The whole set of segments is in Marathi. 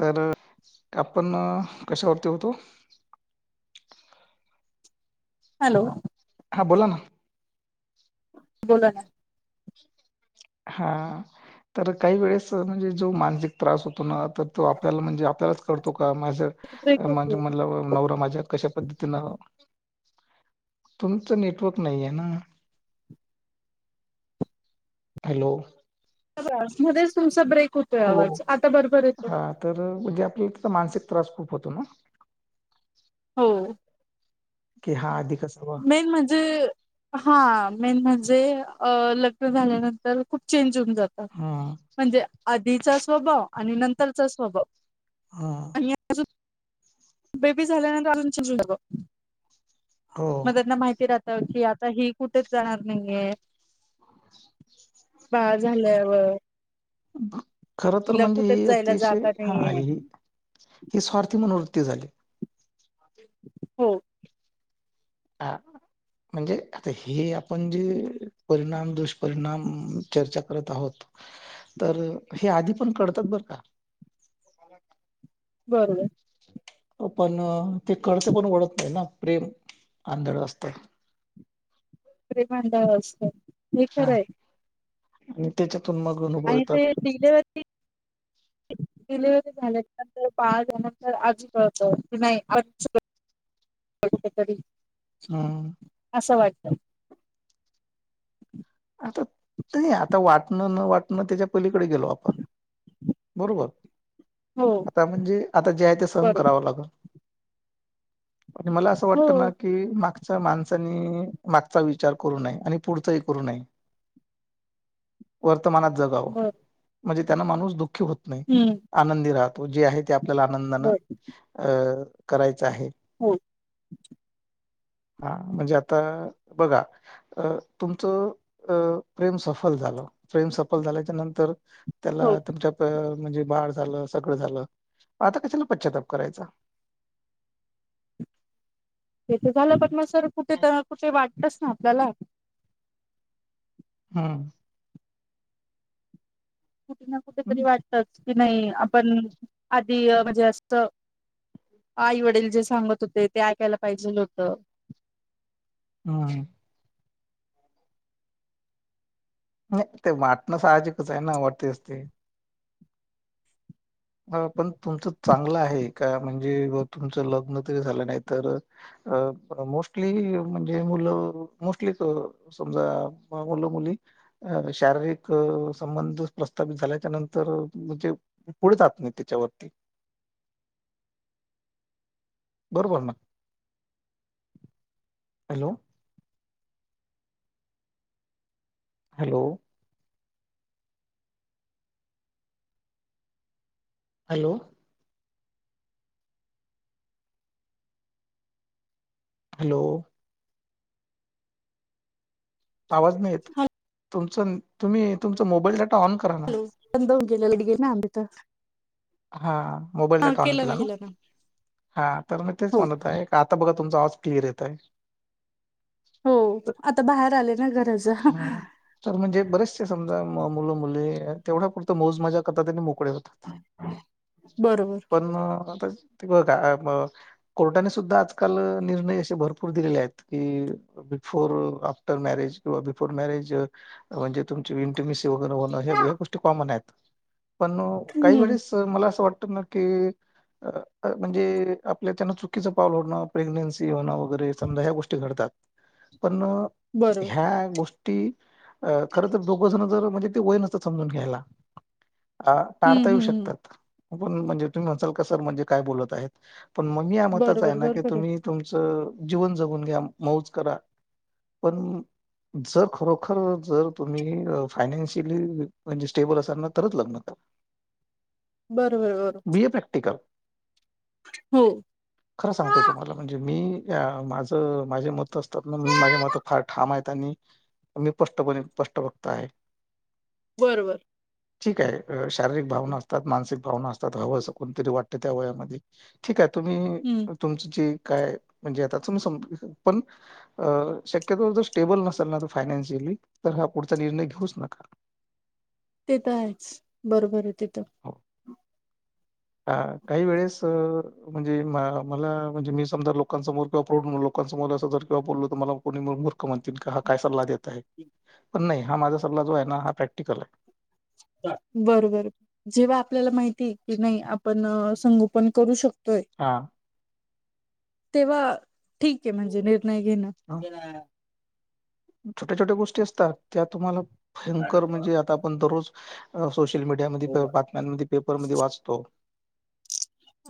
तर आपण कशावरती होतो? हॅलो! हां बोला ना. [inaudible] बोला ना. हा तर काही वेळेस म्हणजे जो मानसिक त्रास होतो ना तर तो आपल्याला म्हणजे आपल्यालाच कडतो का माझर ब्रेक म्हणजे होतोय म्हणला ब नवरा माझ्या कशा पद्धतीन [inaudible] तुमचं नेटवर्क नाही आहे ना. हॅलो! [unintelligible] मध्येच तुमचा ब्रेक होत. हो, हा तर म्हणजे आपल्याला त्याचा मानसिक त्रास खूप होतो ना. हो. कि हा अधिक कच. मेन म्हणजे हा मेन म्हणजे अ लग्न झाल्यानंतर खूप चेंज होऊन जात. हम्म म्हणजे आधीचा स्वभाव आणि नंतरचा स्वभाव. हम्म पण या सु बेबी झाल्यानंतर अजून चि [unintelligible] जात हो [inaudible] म त्यांना माहिती राह त की आता ही कुठेच जाणार नाहीये. बाळ झाल्यावर. खर तर तिला म्हणजे कुठेच ही जायला अतिशय जागा हा नाहीये आहे ही स्वार्थ मनोवृत्ती झाली. [inaudible] हो. आ. म्हणजे आता हे आपण जे परिणाम दुष्परिणाम चर्चा करत आहोत तर हे आधी पण कळतात बरं का. [unintelligible] [inaudible] बरोबर. आपण ते कडस पण ओढखतय ना प्रेम आंधळ असत. [unintelligible] भांड असत हे हा, खरं आहे. आणि त्याच्यातून मग अनुभव येतात. डिलेवररी. डिलिव्हरी झाल्यानंतर, बाळ झाल्यानंतर आजी कळतो की नाही आ. [inaudible] कच्या तरी. [unintelligible] हा. असं वाटतं. आता नाही आता वाटणं न वाटणं त्याच्या पहिलीकडे गेलो आपण. बरोबर हो आता म्हणजे आता जे आहे ते सहन बरोबर करावं लाग. आणि मला अस हो वाटत ना कि मागच्या माणसनी मागचा विचार करू नये आणि पुढचाही करू नये. वर्तमानात जगाव बर म्हणजे त्यान माणूस दुःखी होत नाही. हम्म. आनंदी राहतो जे आहे ते आपल्याला आनंदान बर अ करायच आहे. हो हा म्हणजे आता बघा तुमच अ प्रेम सफल झाल, प्रेम सफल झाल्याच्या नंतर हो त्याला तुमच्या म्हणजे बाळ झाल सगळ झाल आता कशाला पश्चाताप करायचा. ते तर झाल पण मग सर कुठे तर कुठे वाटतच ना आपल्याला. हम्म. कुठे ना कुठे तरी हं, वाटतच की नाही आपण आधी म्हणजे असत. आई वडील जे सांगत होते ते ऐकायला पाहिजे होत. हां नाही ते वाटण साहजिकच आहे ना वटतेच ते. हां पण तुमच चांगल आहे का म्हणजे तुमच लग्न तरी झाल नाही तर अ मोस्टली म्हणजे मुल मोस्टली तर समजा मुल मुली अ शारीरिक संबंध प्रस्थापित झाल्याच्या नंतर म्हणजे पुढे जात नाही त्याच्यावरती. बरोबर ना? हॅलो हॅलो हॅलो हॅलो आवाज नाहीे येत तुमच, तुम्ही तुमचा मोबाईल डाटा ऑन करा. ना. हॅलो बंद होऊन गेल [unintelligible] हा मोबाईल डाटा ऑन केला ना? हा तर मी तेच हो म्हणत आहे. आता बघा तुमचा आवाज क्लिअर येत आहे. हो आता बाहेर आले ना घराच्या. हा. तर म्हणजे बरेचसे समजा मुल मुली तेवढ्या पुुरत मौज मजा करतात आणि मोकळे होतात. [inaudible] बरोबर. पण आता ते बघा [unintelligible] कोर्टाने सुद्धा आजकाल निर्णय असे भरपूर दिलेले आहेत की बिफोर आफ्टर मॅरेज किंवा बिफोर मॅरेज म्हणजे तुमची तुम्ही [unintelligible] होत आहे या गोष्टी कॉमन आहेत पण काही हम्म वेळेस तर मला अस वाटत ना की अ म्हणजे आपल्याचान चुकीच पाऊल होण प्रेग्नेन्सी होण वगैरे समजा ह्या गोष्टी घडतात. पण बरोबर ह्या गोष्ट कीखर तर दोघजण जर म्हणजे ते वय नसत समजून घ्यायला अ. हम्म टाळता येऊ हम्म हम्म. शकतात. पण म्हणजे तुम्ही म्हणताल का सर म्हणजे काय बोलत आहेत. पण मग मी या मताचा आहे बरोबर ना की बरोबर आहे तुम्ही तुमच जीवन जगून घ्या मौज करून घ्या. पण जर खरोखर जर तुम्ही फायनान्शियली म्हणजे स्टेबल असाल ना तरच लग्न करा. बरोबर बरोबर. Be a practical. हो खर सांगतोय तुम्हाला म्हणजे मी माझ माझे मत असतात ना माझ्या मत फार ठाम आहेत. आणि मी स्पष्टपणे स्पष्ट वक्ता आहे. बरोबर ठीक आहे शारीरिक भावना असतात, मानसिक भावना असतात, हव अस वाटत कुठेतरी त्या वयामध्ये ठीक आहे हम्म तुम्ही तुमची जे काय म्हणजे आता तु समजून घ्या पण अ शक्यतो जर स्टेबल नसेल ना जर फायनान्शियली तर हा पुढचा निर्णय घेऊच नका. ते तर आहेच बरोबर आहे ते तर. हां काही वेळेस म्हणजे मला म्हणजे मी समजा लोकांसमोर प्रकट लोक किंवा समोर अस जर किंवा बोललो तर मला कोणी मूर्ख म्हणतील का हा काय सल्ला देत आहे. पण नाही हा माझा सल्ला जो आहे ना हा प्रॅक्टिकल आहे. बरोबर आहे. जेव्हा आपल्याला माहिती की नाही आपण संगोपन करू शकतोय. हां तेव्हा ठीक आहे म्हणजे निर्णय घेण. छोट्या छोट्या गोष्टी असतात त्या तुम्हाला भयंकर म्हणजे आता आपण दररोज सोशल मीडियामध्ये, बातम्यांमध्ये, पेपरमध्ये वाचतो.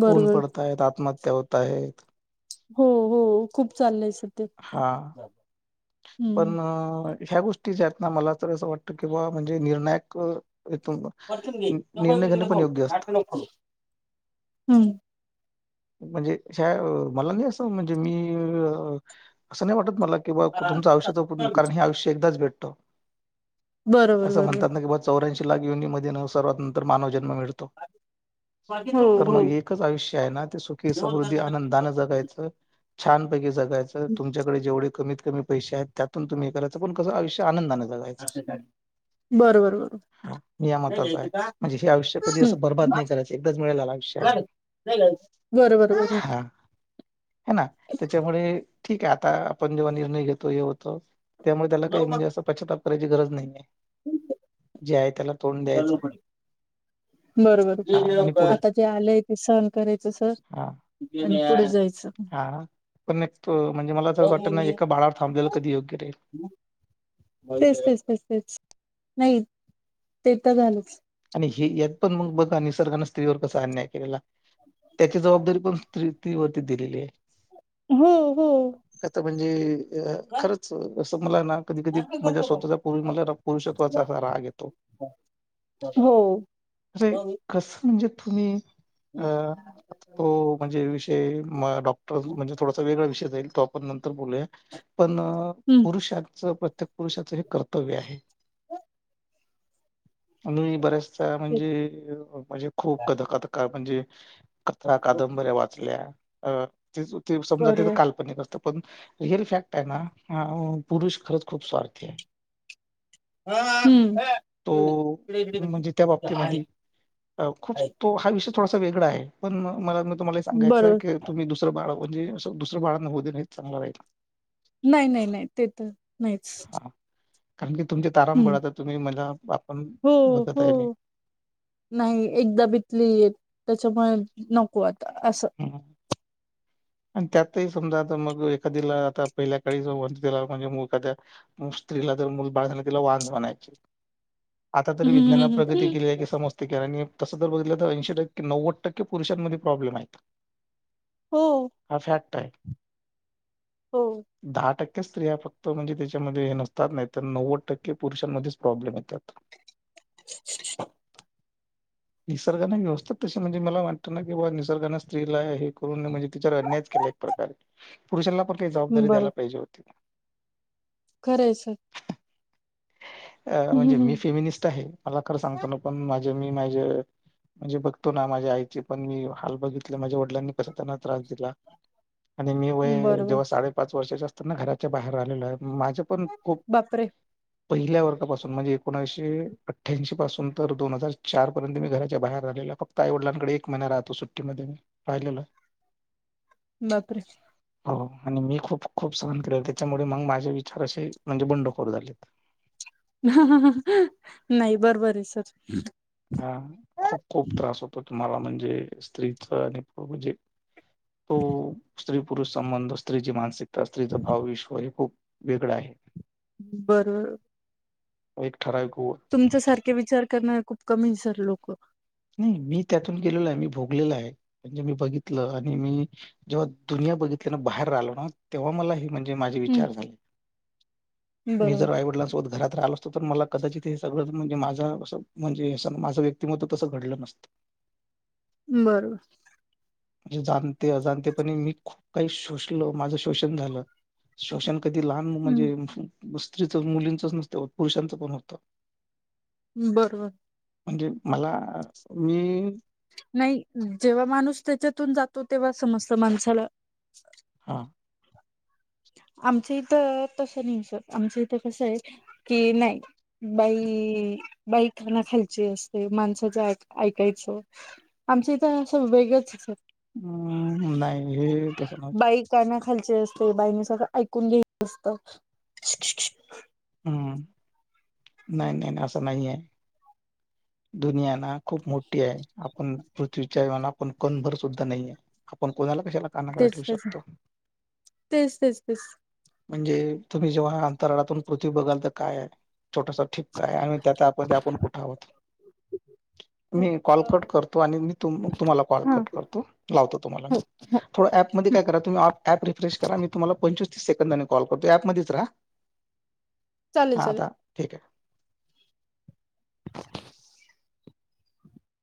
खून बरोबर पडतायेत आत्महत्या होत आहेत. हो हो खूप चालय सध्या. हा हम्म. पण ह्या गोष्टी ज्या आहेत ना मला तर अस वाटत की बुवा म्हणजे निर्णायक इथून हम्म म्हणजे मला नाही अस म्हणजे मी अस नाही वाटत मला की बा तुमच आयुष्या [unintelligible] कारण हे आयुष्य एकदाच भेटत बरोबर अस बरोबर म्हणतात ना की बा चौऱ्यांशी लाख युनी मध्ये न सर्वात नंतर मानव जन्म मिळत तर हो मग एकच आयुष्य आहे ना ते सुखी समृद्धी आनंदी दान जगायच छानपैकी जगायच तुमच्याकडे जेवढे कमीत कमी पैसे आहेत त्यातून तुम्ही हे करायच पण कस आयुष्य आनंदाने जगायच. हो. बरोबर बरोबर या नाही मताचा घ्यायचं आहे, का? म्हणजे हे आयुष्य कधी हं. अस बर्बाद हा, नाही करायच. एकदाच मिळालेल आयुष्य आहे. चालेल. बरोबर बरोबर हां हां ना त्याच्यामुळे ठीक आहे आता आपण जेव्हा निर्णय घेतो हे होतो. त्यामुळे त्याला काही जाऊ मग. म्हणजे अस पश्चाताप करायची गरज नाही जे आहे त्याला तोंड द्यायचं हा आणि बरोबर आता जे आलय ते सहण करायच सर. हां पुढे जायच. हा पण एक तो म्हणजे मला अस वाटत मग ना मी. एका बाळावर थांबलेल कधी योग्य राहिल. हं? तेच तेच तेच तेच नाही ते तर झालच. आणि हे यात पण मग बघा निसर्गाने स्त्रीवर कसा अन्याय केलेला त्याची जबाबदारी पण स्त्री वरती दिलेली आहे. हो हो त्या आता म्हणजे खरच अस मला ना कधी कधी नाटकं माझ्या करतो स्वतःच्या पूर्वी मला पुरुषत्वाचा का? असा राग येतो. हो अरे जाऊ मी. कस म्हणजे तुम्ही अ तो म्हणजे विषय डॉक्टर हं? म्हणजे थोडासा वेगळा विषय जाईल तो आपण नंतर बोलूया. पण हं, पुरुषांच प्रत्येक पुरुषाच हे कर्तव्य आहे. मी बऱ्याच तेच. म्हणजे म्हणजे खूप काय? [unintelligible] म्हणजे कथा, कादंबऱ्या वाचल्या समजा ते समजा बरोबर. काल्पनिक असत. पण रिअल फॅक्ट आहे ना पुरुष खरच खूप स्वार्थी आहे. तो हम्म. म्हणजे त्या बाबतीमध्ये खूप तो हा विषय थोडासा वेगळा आहे. पण मग मला तुम्हाला सांगायच बरोबर की तुम्ही दुसर बाळ म्हणजे दुसर बाळांना हो दे नाही हे चांगला राहील. नाही नाही नाही ते तर नाहीच. हां, कारण की तुमची तारांबळ हं. आता तुम्ही मला आपण हो बघत आहे मी. हो. नाही एकदा बितलीे त्याच्यामुळे नको आता अस. हम्म आणि त्यातही समजा आता मग एखाद्याला आता पहिल्या काळी जवळ दिला म्हणजे एखाद्या मग स्त्रीला जर मुल बाळ झाल तर तिला वांज म्हनायच. आता हं, तरी हं, विज्ञानान हं, प्रगती हं. केली आहे की समजते कि आणि तस जर बघीतल तर ऐंशी टक्के नव्वद टक्के पुरुषांमध्ये प्रॉब्लेम आहेत. हो. हा फॅक्ट आहे. हो. दहा टक्के स्त्रिया फक्त म्हणजे त्याच्यामध्ये हे नसतात नाही तर नव्वद टक्के पुरुषांमध्येच प्रॉब्लेम येतात. [inaudible] [inaudible] निसर्गाने व्यवस्था तशी म्हणजे मला वाटत ना की बा निसर्गा स्त्रीला हे करून म्हणजे तिच्यावर अन्यायच केलाय एक प्रकारे. पुरुषांना पण काही जबाबदारी द्यायला पाहिजे होती. खरय सर. अ म्हणजे मी हं, फेमिनिस्ट आहे. मला खर सांगतो ना पण माझे मी माझे म्हणजे बघतो ना माझ्या आईचे पण मी हाल बघित माझ्या वडिलांनी पण कसा त्यांना त्रास दिला आणि मी व हं. बरोबर. जेव्हा साडे पाच वर्षाच्या अस घराच्या बाहेर आलेल्या माझ्या पण खूप बापरे! पहिल्या वर्गापासून म्हणजे एकोणीसशे अठ्ठ्याऐंशी पासून तर दोन हजार चार पर्यंत मी घराच्या बाहेर राहिलेलो. फक्त आई वडिलांकडे एक महिना राहतो सुट्टी मध्ये मी राहिलेलो. बापरे. हो आणि मी खूप खूप सहन केले त्याच्यामुळे मग माझे विचार असे म्हणजे बंडखोर झालेत. नाही बरोबर आहे सर. हा खूप खूप त्रास होतो तुम्हाला म्हणजे स्त्रीच आणि म्हणजे तो स्त्री पुरुष संबंध, स्त्रीची मानसिकता, स्त्रीचा भाव विश्व हे खूप वेगळं आहे. बरोबर. एक ठराव उग तुमच्या सारखे विचार करणारे खूप कमी आहेत सर लोक. नाही मी त्यातून गेलेलो आहे मी भोगलेल आहे. म्हणजे मी बघितल आणि मी जेव्हा दुनिया बघितली न बाहेर राहिलो ना तेव्हा मला हे म्हणजे माझे हं. विचार झाले, मी बरोबर. जर आईवडिलां सोबत घरात रालो त मला कदाचित हे सगळं म्हणजे माझ्या स म्हणजे माझं व्यक्तिमत्व तसं घडलं नसतं. बरो जे जाणते अजानते पणी मी खूप काही शोषलं, माझं शोषण झालं. शोषण कधी लहान हं. म्हणजे स्त्रीचं, मुलींचंच नसतं, पुरषांचं पण होतं. बरबर. म्हणजे मला, मीऽ नाही, जेव्हा माणूस त्याच्यातून जातो तेव्हा समजतं माणसाला. आहा आमच्या इथं, तसं नाही सर, आमच्या इथं कसंय, की नाही बाईइइ, बाई खना खालची असते, माणसाचं ऐक ऐकायचं. आमच्या इथं न असं वेगळंच अस हम्म नाही हे, तसं नव्हतं. बाई काना खालचे असते, बाईने सगळं ऐकून घ्यायच असतं. क्षूशुशुक हम्म, नाही नाही नाई असं नाहीयेय. दुनिया ना खूप मोठी आहे, आपण पृथ्वीच्या व्याना आपण कणभर सुद्धा नाहीये. आपण कोणाला कशाला कानाकडे तेच ठेवू तेच ना, शकतो. तेच तेच तेच. म्हणजे, तुम्ही जेव्हा अंतराळातून पृथ्वी बघाल तर काय आहे, छोटासा ठीबकाय, आणि त्यात आप-कुठं आहोत. मी कॉल कट करतो, आणि मी तुम तुम्हाला कॉल हा कट हो करतो, लावतो तुम्हाला. हो थोडं ऍपमधी काय करा, तुम्ही ऍप रिफ्रेश करा, मी तु्म्हाला पंचवीस तीस सेकंदानं कॉल करतो, ऍपमध्धीच रहा. चालेल हा चालेल आता, ठीक आहे.